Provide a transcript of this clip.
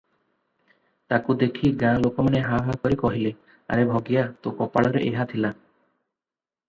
ତାକୁ ଦେଖି ଗାଁ ଲୋକମାନେ ହାହାକାର କରି କହିଲେ, "ଆରେ ଭଗିଆ, ତୋ କପାଳରେ ଏହା ଥିଲା ।"